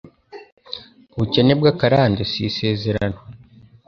ubukene bw'akarande si isezerano